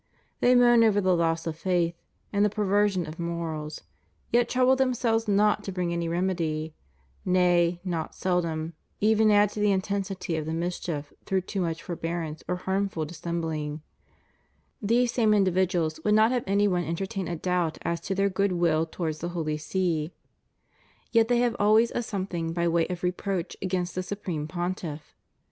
They moan over the loss of faith and the perversion of morals, yet trouble themselves not to bring any remedy; nay, not seldom, even add to the intensity of the mischief through too much forbearance or harmful dissembling. These same individuals would not have any one entertain a doubt as to their good will towards the Holy See; yet they have » 2 Peter u. 1, 19. » Gal. t. 6. 200 CHIEF DUTIES OF CHRISTIANS AS CITIZENS. always a something by way of reproach against the su preme Pontiff.